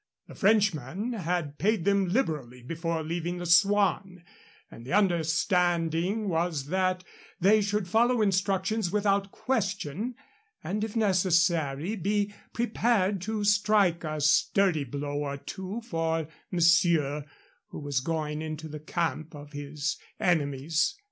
The Frenchman had paid them liberally before leaving the Swan, and the understanding was that they should follow instructions without question, and if necessary be prepared to strike a sturdy blow or two for monsieur, who was going into the camp of his enemies.